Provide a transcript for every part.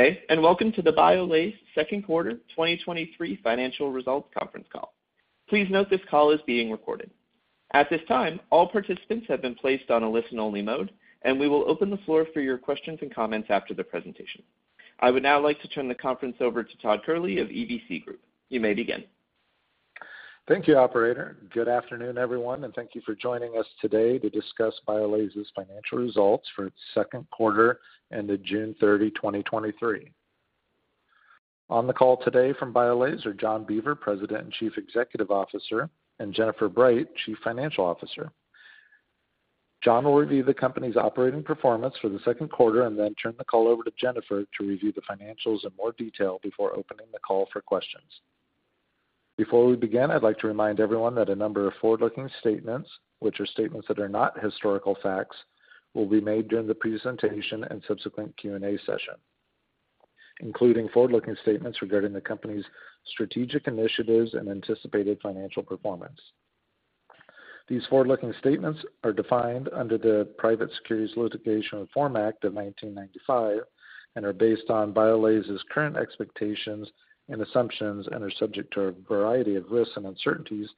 Good day, welcome to the BIOLASE Second Quarter 2023 Financial Results Conference Call. Please note this call is being recorded. At this time, all participants have been placed on a listen-only mode, and we will open the floor for your questions and comments after the presentation. I would now like to turn the conference over to Todd Kehrli of EVC Group. You may begin. Thank you, operator. Good afternoon, everyone, and thank you for joining us today to discuss BIOLASE's financial results for its second quarter ended June 30, 2023. On the call today from BIOLASE are John Beaver, President and Chief Executive Officer, and Jennifer Bright, Chief Financial Officer. John will review the company's operating performance for the second quarter and then turn the call over to Jennifer to review the financials in more detail before opening the call for questions. Before we begin, I'd like to remind everyone that a number of forward-looking statements, which are statements that are not historical facts, will be made during the presentation and subsequent Q&A session, including forward-looking statements regarding the company's strategic initiatives and anticipated financial performance. These forward-looking statements are defined under the Private Securities Litigation Reform Act of 1995 and are based on BIOLASE's current expectations and assumptions and are subject to a variety of risks and uncertainties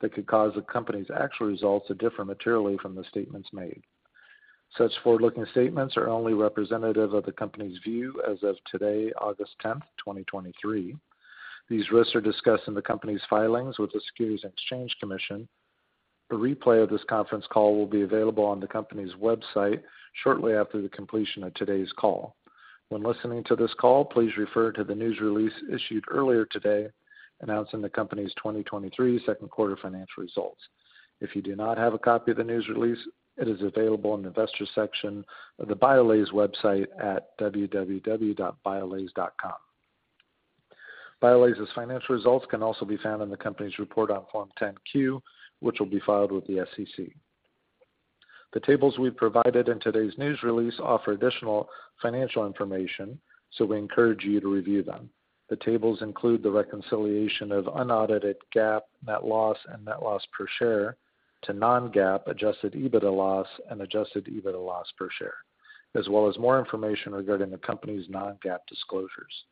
that could cause the company's actual results to differ materially from the statements made. Such forward-looking statements are only representative of the company's view as of today, August 10, 2023. These risks are discussed in the company's filings with the Securities and Exchange Commission. A replay of this conference call will be available on the company's website shortly after the completion of today's call. When listening to this call, please refer to the news release issued earlier today announcing the company's 2023 second quarter financial results. If you do not have a copy of the news release, it is available in the Investors section of the BIOLASE website at www.biolase.com. BIOLASE's financial results can also be found in the company's report on Form 10-Q, which will be filed with the SEC. The tables we've provided in today's news release offer additional financial information, so we encourage you to review them. The tables include the reconciliation of unaudited GAAP net loss and net loss per share to non-GAAP Adjusted EBITDA loss and Adjusted EBITDA loss per share, as well as more information regarding the company's non-GAAP disclosures.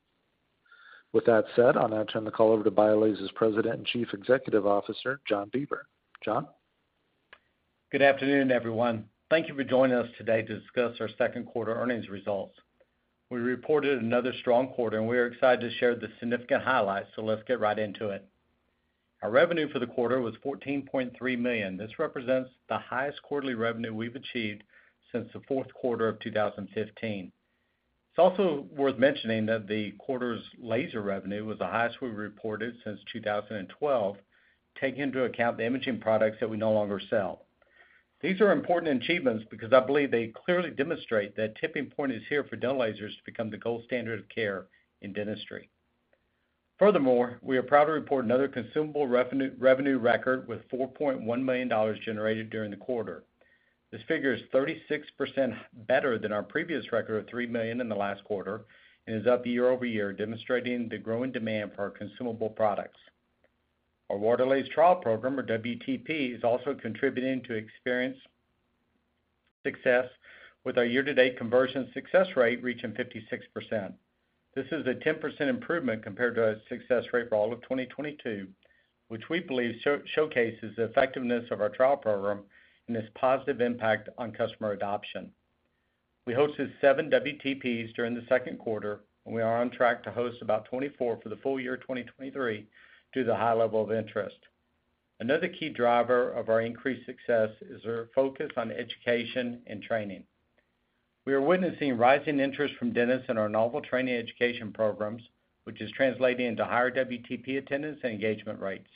With that said, I'll now turn the call over to BIOLASE's President and Chief Executive Officer, John Beaver. John? Good afternoon, everyone. Thank you for joining us today to discuss our second quarter earnings results. We reported another strong quarter. We are excited to share the significant highlights. Let's get right into it. Our revenue for the quarter was $14.3 million. This represents the highest quarterly revenue we've achieved since the fourth quarter of 2015. It's also worth mentioning that the quarter's laser revenue was the highest we've reported since 2012, taking into account the imaging products that we no longer sell. These are important achievements because I believe they clearly demonstrate that tipping point is here for dental lasers to become the gold standard of care in dentistry. Furthermore, we are proud to report another consumable revenue record with $4.1 million generated during the quarter. This figure is 36% better than our previous record of $3 million in the last quarter and is up year-over-year, demonstrating the growing demand for our consumable products. Our WaterLase trial program, or WTP, is also contributing to experienced success with our year-to-date conversion success rate reaching 56%. This is a 10% improvement compared to our success rate for all of 2022, which we believe showcases the effectiveness of our trial program and its positive impact on customer adoption. We hosted 7 WTPs during the second quarter, and we are on track to host about 24 for the full year 2023 due to the high level of interest. Another key driver of our increased success is our focus on education and training. We are witnessing rising interest from dentists in our novel training education programs, which is translating into higher WTP attendance and engagement rates.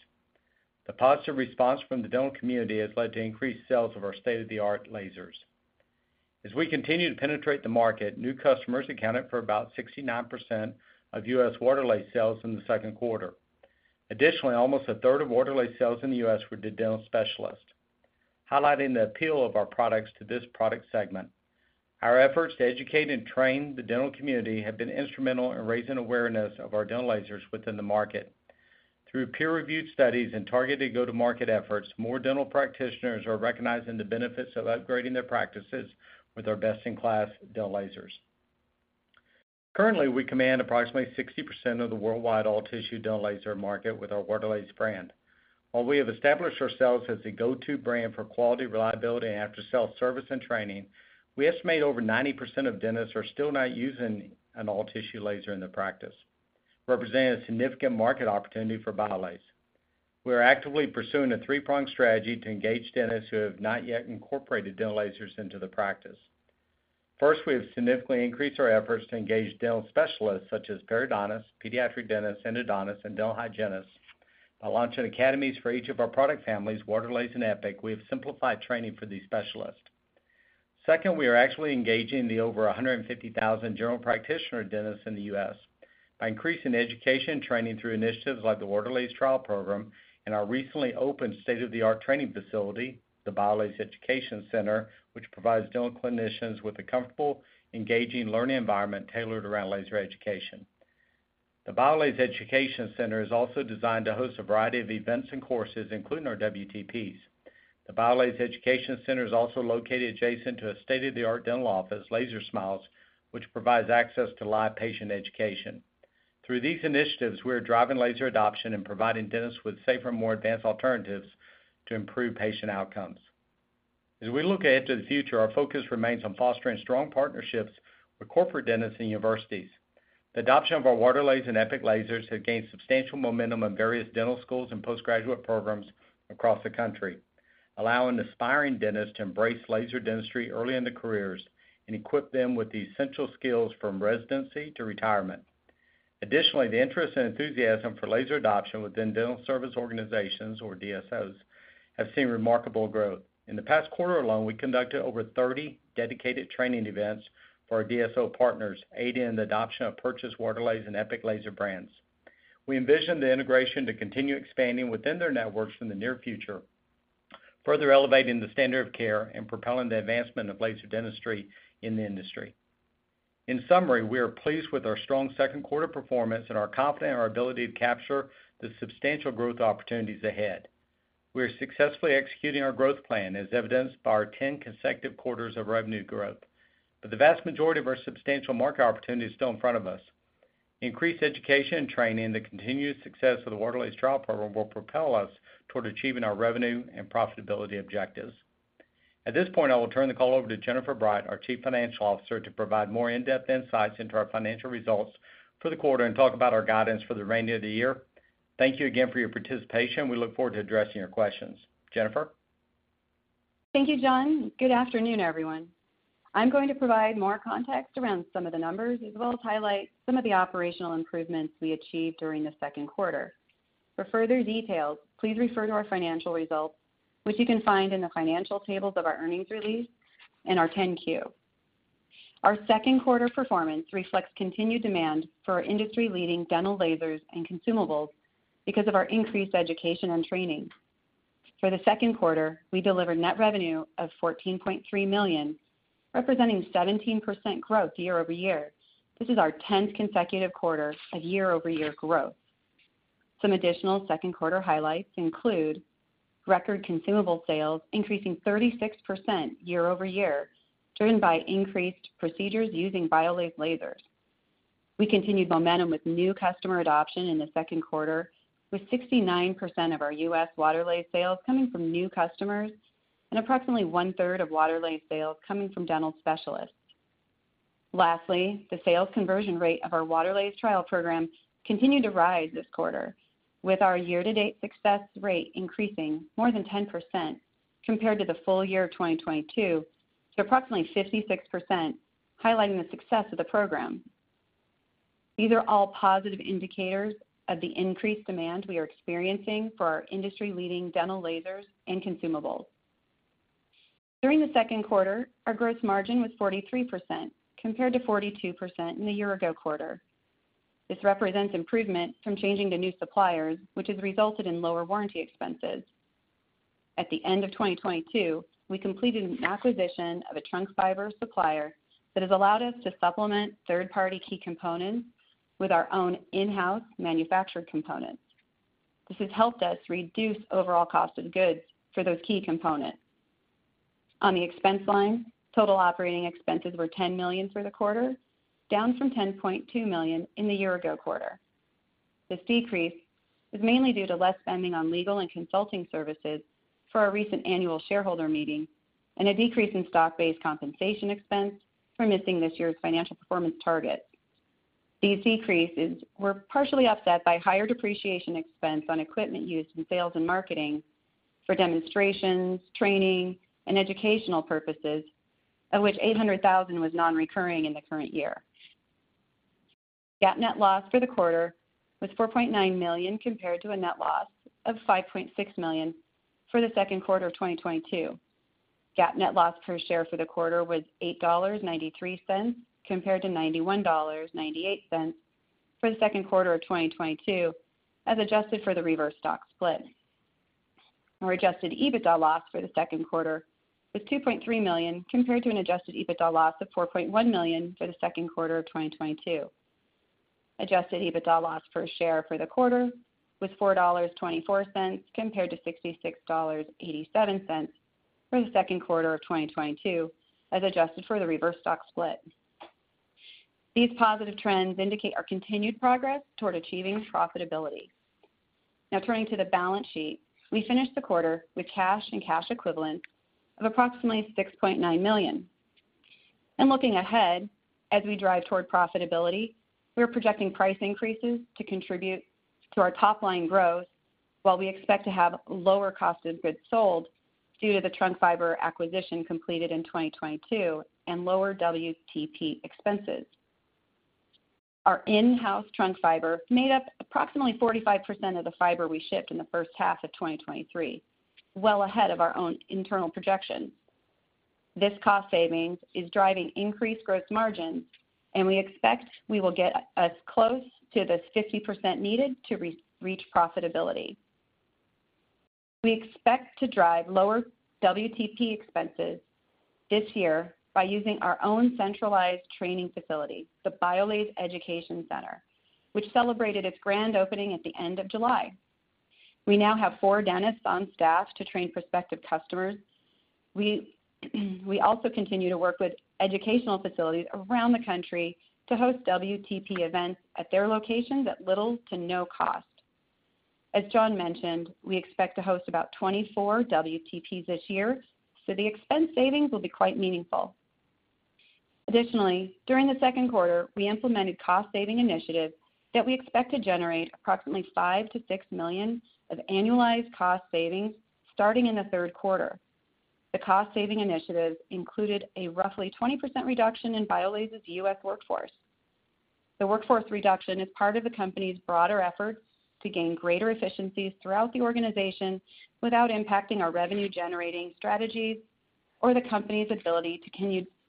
The positive response from the dental community has led to increased sales of our state-of-the-art lasers. As we continue to penetrate the market, new customers accounted for about 69% of US WaterLase sales in the second quarter. Additionally, almost a third of WaterLase sales in the US were to dental specialists, highlighting the appeal of our products to this product segment. Our efforts to educate and train the dental community have been instrumental in raising awareness of our dental lasers within the market. Through peer-reviewed studies and targeted go-to-market efforts, more dental practitioners are recognizing the benefits of upgrading their practices with our best-in-class dental lasers. Currently, we command approximately 60% of the worldwide all-tissue dental laser market with our WaterLase brand. While we have established ourselves as the go-to brand for quality, reliability, and after-sale service and training, we estimate over 90% of dentists are still not using an all-tissue laser in their practice, representing a significant market opportunity for BIOLASE. We are actively pursuing a three-pronged strategy to engage dentists who have not yet incorporated dental lasers into their practice. First, we have significantly increased our efforts to engage dental specialists, such as periodontists, pediatric dentists, endodontists, and dental hygienists. By launching academies for each of our product families, WaterLase and Epic, we have simplified training for these specialists. Second, we are actually engaging the over 150,000 general practitioner dentists in the U.S. by increasing education and training through initiatives like the WaterLase Trial Program and our recently opened state-of-the-art training facility, the Biolase Education Center, which provides dental clinicians with a comfortable, engaging learning environment tailored around laser education. The Biolase Education Center is also designed to host a variety of events and courses, including our WTPs. The Biolase Education Center is also located adjacent to a state-of-the-art dental office, Laser Smiles, which provides access to live patient education. Through these initiatives, we are driving laser adoption and providing dentists with safer, more advanced alternatives to improve patient outcomes. As we look ahead to the future, our focus remains on fostering strong partnerships with corporate dentists and universities. The adoption of our WaterLase and Epic lasers have gained substantial momentum in various dental schools and postgraduate programs across the country, allowing aspiring dentists to embrace laser dentistry early in their careers and equip them with the essential skills from residency to retirement. The interest and enthusiasm for laser adoption within dental service organizations, or DSOs, have seen remarkable growth. In the past quarter alone, we conducted over 30 dedicated training events for our DSO partners, aiding in the adoption of purchased WaterLase and Epic laser brands. We envision the integration to continue expanding within their networks in the near future, further elevating the standard of care and propelling the advancement of laser dentistry in the industry. In summary, we are pleased with our strong second quarter performance and are confident in our ability to capture the substantial growth opportunities ahead. We are successfully executing our growth plan, as evidenced by our 10 consecutive quarters of revenue growth, but the vast majority of our substantial market opportunity is still in front of us. Increased education and training, the continued success of the WaterLase Trial Program will propel us toward achieving our revenue and profitability objectives. At this point, I will turn the call over to Jennifer Bright, our Chief Financial Officer, to provide more in-depth insights into our financial results for the quarter and talk about our guidance for the remainder of the year. Thank you again for your participation. We look forward to addressing your questions. Jennifer? Thank you, John. Good afternoon, everyone. I'm going to provide more context around some of the numbers, as well as highlight some of the operational improvements we achieved during the second quarter. For further details, please refer to our financial results, which you can find in the financial tables of our earnings release and our 10-Q. Our second quarter performance reflects continued demand for our industry-leading dental lasers and consumables because of our increased education and training. For the second quarter, we delivered net revenue of $14.3 million, representing 17% growth year-over-year. This is our 10th consecutive quarter of year-over-year growth. Some additional second quarter highlights include record consumable sales, increasing 36% year-over-year, driven by increased procedures using BIOLASE lasers. We continued momentum with new customer adoption in the second quarter, with 69% of our U.S. WaterLase sales coming from new customers and approximately 1/3 of WaterLase sales coming from dental specialists. Lastly, the sales conversion rate of our WaterLase Trial Program continued to rise this quarter, with our year-to-date success rate increasing more than 10% compared to the full year of 2022 to approximately 56%, highlighting the success of the program. These are all positive indicators of the increased demand we are experiencing for our industry-leading dental lasers and consumables. During the second quarter, our gross margin was 43%, compared to 42% in the year ago quarter. This represents improvement from changing to new suppliers, which has resulted in lower warranty expenses. At the end of 2022, we completed an acquisition of a trunk fiber supplier that has allowed us to supplement third-party key components with our own in-house manufactured components. This has helped us reduce overall cost of goods for those key components. On the expense line, total operating expenses were $10 million for the quarter, down from $10.2 million in the year ago quarter. This decrease is mainly due to less spending on legal and consulting services for our recent annual shareholder meeting and a decrease in stock-based compensation expense for missing this year's financial performance target. These decreases were partially offset by higher depreciation expense on equipment used in sales and marketing for demonstrations, training, and educational purposes, of which $800,000 was non-recurring in the current year. GAAP net loss for the quarter was $4.9 million, compared to a net loss of $5.6 million for the second quarter of 2022. GAAP net loss per share for the quarter was $8.93, compared to $91.98 for the second quarter of 2022, as adjusted for the reverse stock split. Our Adjusted EBITDA loss for the second quarter was $2.3 million, compared to an Adjusted EBITDA loss of $4.1 million for the second quarter of 2022. Adjusted EBITDA loss per share for the quarter was $4.24, compared to $66.87 for the second quarter of 2022, as adjusted for the reverse stock split. These positive trends indicate our continued progress toward achieving profitability. Now, turning to the balance sheet. We finished the quarter with cash and cash equivalents of approximately $6.9 million. Looking ahead, as we drive toward profitability, we are projecting price increases to contribute to our top line growth, while we expect to have lower cost of goods sold due to the trunk fiber acquisition completed in 2022 and lower WTP expenses. Our in-house trunk fiber made up approximately 45% of the fiber we shipped in the first half of 2023, well ahead of our own internal projections. This cost savings is driving increased gross margin, and we expect we will get as close to the 50% needed to re-reach profitability. We expect to drive lower WTP expenses this year by using our own centralized training facility, the BIOLASE Education Center, which celebrated its grand opening at the end of July. We now have four dentists on staff to train prospective customers. We also continue to work with educational facilities around the country to host WTP events at their locations at little to no cost. As John mentioned, we expect to host about 24 WTPs this year, so the expense savings will be quite meaningful. Additionally, during the second quarter, we implemented cost-saving initiatives that we expect to generate approximately $5 million-$6 million of annualized cost savings starting in the third quarter. The cost-saving initiatives included a roughly 20% reduction in BIOLASE's U.S. workforce. The workforce reduction is part of the company's broader efforts to gain greater efficiencies throughout the organization without impacting our revenue-generating strategies or the company's ability to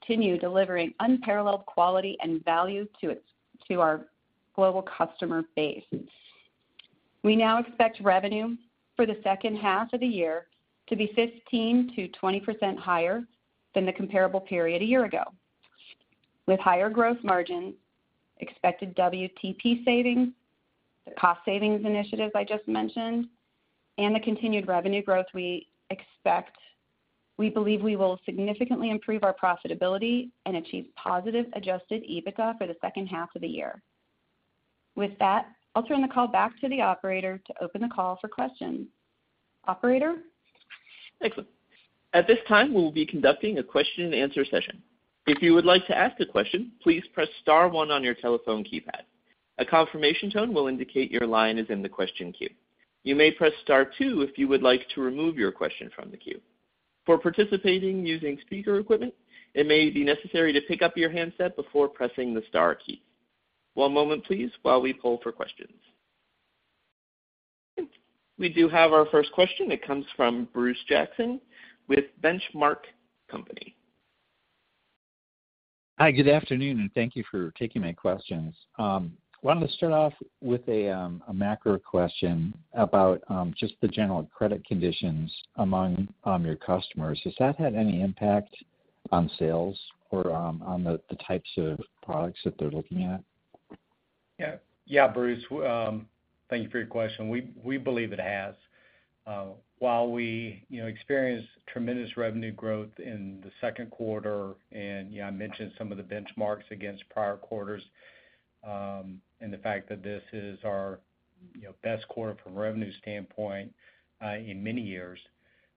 continue delivering unparalleled quality and value to our global customer base. We now expect revenue for the second half of the year to be 15%-20% higher than the comparable period a year ago. With higher growth margins, expected WTP savings, the cost savings initiatives I just mentioned, and the continued revenue growth we expect, we believe we will significantly improve our profitability and achieve positive Adjusted EBITDA for the second half of the year. With that, I'll turn the call back to the operator to open the call for questions. Operator? Thanks. At this time, we will be conducting a question-and-answer session. If you would like to ask a question, please press star one on your telephone keypad. A confirmation tone will indicate your line is in the question queue. You may press star two if you would like to remove your question from the queue. For participating using speaker equipment, it may be necessary to pick up your handset before pressing the star key. One moment, please, while we poll for questions. We do have our first question. It comes from Bruce Jackson with Benchmark Company. Hi, good afternoon, and thank you for taking my questions. wanted to start off with a macro question about just the general credit conditions among your customers. Has that had any impact on sales or on the, the types of products that they're looking at? Yeah. Yeah, Bruce, thank you for your question. We, we believe it has. While we, you know, experienced tremendous revenue growth in the second quarter, and, you know, I mentioned some of the benchmarks against prior quarters, and the fact that this is our, you know, best quarter from a revenue standpoint, in many years,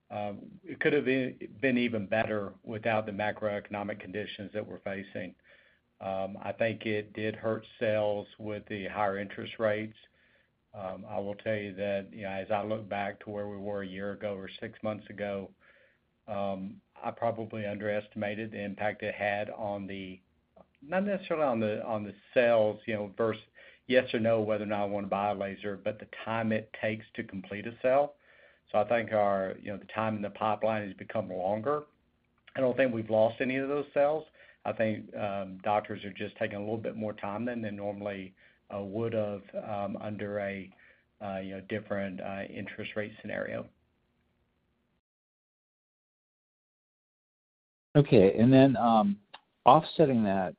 it could have been, been even better without the macroeconomic conditions that we're facing. I think it did hurt sales with the higher interest rates. I will tell you that, you know, as I look back to where we were a year ago or six months ago, I probably underestimated the impact it had on the -- not necessarily on the, on the sales, you know, versus yes or no, whether or not I want to buy a laser, but the time it takes to complete a sale. I think our, you know, the time in the pipeline has become longer. I don't think we've lost any of those sales. I think, doctors are just taking a little bit more time than they normally would have, under a, you know, different, interest rate scenario. Okay, offsetting that,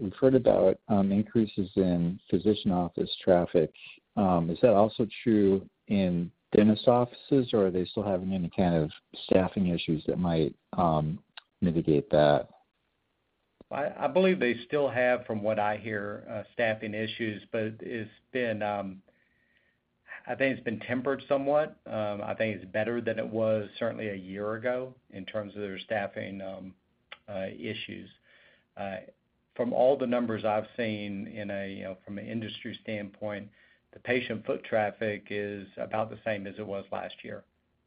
we've heard about, increases in physician office traffic. Is that also true in dentist offices, or are they still having any kind of staffing issues that might, mitigate that? I, I believe they still have, from what I hear, staffing issues. It's been, I think it's been tempered somewhat. I think it's better than it was certainly a year ago in terms of their staffing issues. From all the numbers I've seen in a, you know, from an industry standpoint, the patient foot traffic is about the same as it was last year.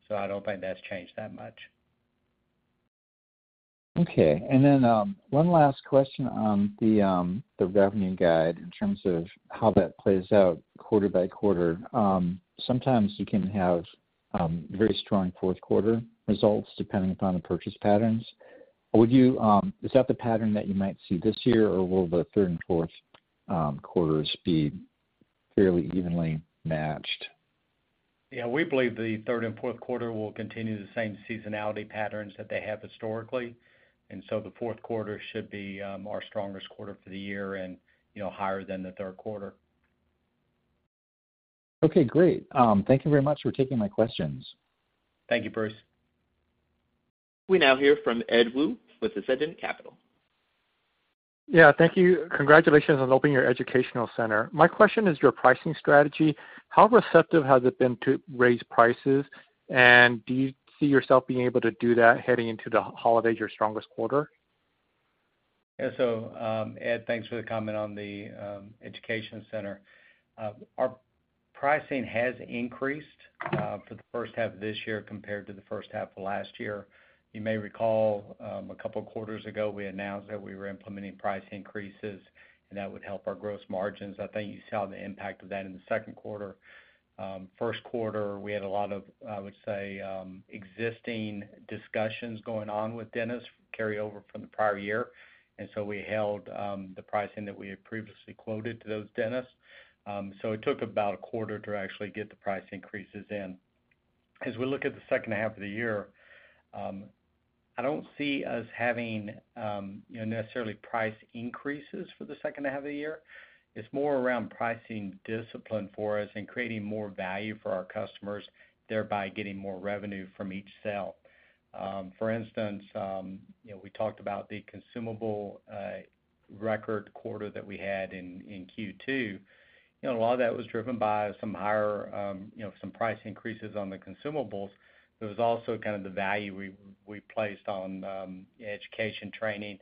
I don't think that's changed that much. Okay, one last question on the revenue guide in terms of how that plays out quarter by quarter. Sometimes you can have very strong fourth quarter results depending upon the purchase patterns. Would you, is that the pattern that you might see this year, or will the third and fourth quarters be fairly evenly matched? We believe the third and fourth quarter will continue the same seasonality patterns that they have historically, and so the fourth quarter should be our strongest quarter for the year and, you know, higher than the third quarter. Okay, great. Thank you very much for taking my questions. Thank you, Bruce. We now hear from Ed Woo with Ascendiant Capital. Yeah, thank you. Congratulations on opening your Education Center. My question is your pricing strategy. How receptive has it been to raise prices, and do you see yourself being able to do that heading into the holidays, your strongest quarter? Yeah. Ed, thanks for the comment on the education center. Our pricing has increased for the first half of this year compared to the first half of last year. You may recall, 2 quarters ago, we announced that we were implementing price increases, and that would help our gross margins. I think you saw the impact of that in the second quarter. First quarter, we had a lot of, I would say, existing discussions going on with dentists carry over from the prior year, and so we held the pricing that we had previously quoted to those dentists. It took about a quarter to actually get the price increases in. As we look at the second half of the year, I don't see us having, you know, necessarily price increases for the second half of the year. It's more around pricing discipline for us and creating more value for our customers, thereby getting more revenue from each sale. For instance, you know, we talked about the consumable record quarter that we had in, in Q2. You know, a lot of that was driven by some higher, you know, some price increases on the consumables. There was also kind of the value we, we placed on education training,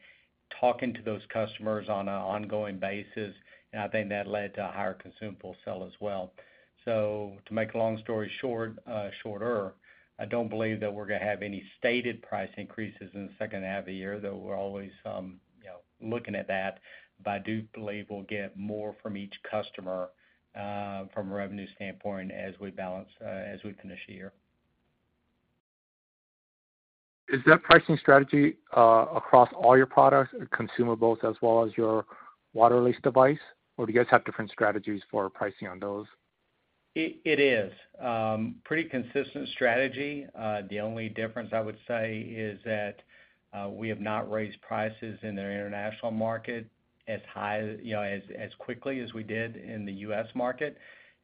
talking to those customers on an ongoing basis, and I think that led to a higher consumable sell as well. To make a long story short, shorter, I don't believe that we're going to have any stated price increases in the second half of the year, though we're always, you know, looking at that. I do believe we'll get more from each customer, from a revenue standpoint as we balance, as we finish the year. Is that pricing strategy, across all your products, consumables, as well as your WaterLase device? Or do you guys have different strategies for pricing on those? It, it is. pretty consistent strategy. The only difference I would say is that we have not raised prices in the international market as high, you know, as quickly as we did in the US market.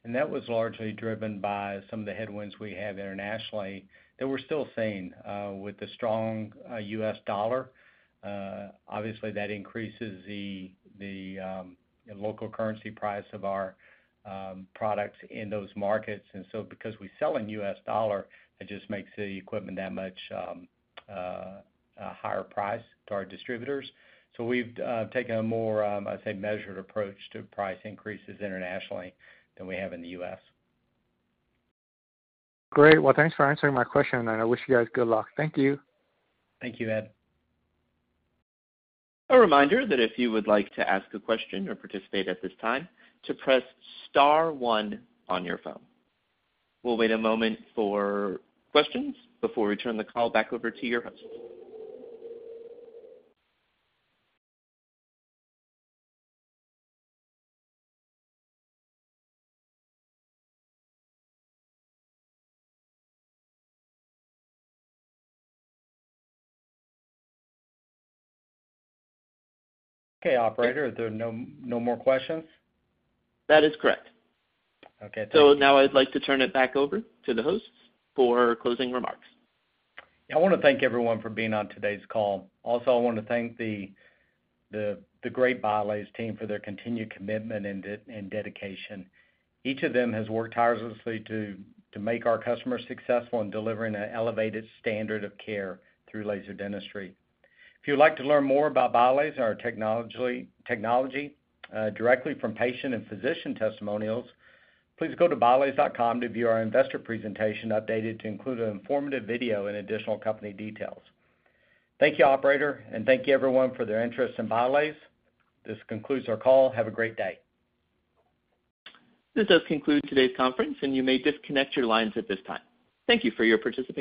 That was largely driven by some of the headwinds we have internationally that we're still seeing. With the strong US dollar, obviously, that increases the local currency price of our products in those markets. Because we sell in US dollar, it just makes the equipment that much a higher price to our distributors. We've taken a more, I'd say, measured approach to price increases internationally than we have in the US. Great. Well, thanks for answering my question, and I wish you guys good luck. Thank you. Thank you, Ed. A reminder that if you would like to ask a question or participate at this time, to press star one on your phone. We'll wait a moment for questions before we turn the call back over to your host. Okay, operator, are there no, no more questions? That is correct. Okay, thank you. Now I'd like to turn it back over to the host for closing remarks. I want to thank everyone for being on today's call. Also, I want to thank the great BIOLASE team for their continued commitment and dedication. Each of them has worked tirelessly to make our customers successful in delivering an elevated standard of care through laser dentistry. If you'd like to learn more about BIOLASE and our technology directly from patient and physician testimonials, please go to biolase.com to view our investor presentation, updated to include an informative video and additional company details. Thank you, operator, and thank you, everyone, for their interest in BIOLASE. This concludes our call. Have a great day. This does conclude today's conference, and you may disconnect your lines at this time. Thank you for your participation.